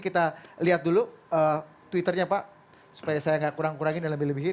kita lihat dulu twitternya pak supaya saya nggak kurang kurangin dan lebih lebihin